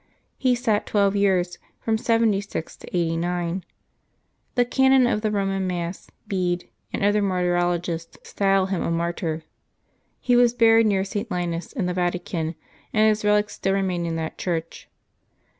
He sat twelve years, from 76 to 89. The canon of the Eoman Mass, Bede, and other martyrologists, style him a martyr. He was buried near St. Linus, in the Vatican, and his relics still remain in that church.